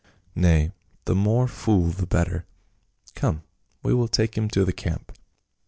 " Nay, the more fool the better. Come, we will take him to the camp."